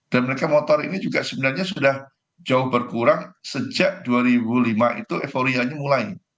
dan mereka motor ini juga sebenarnya sudah jauh berkurang sejak dua ribu lima itu euforianya mulai